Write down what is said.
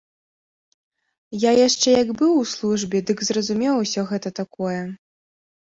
Я яшчэ як быў у службе, дык зразумеў усё гэта такое.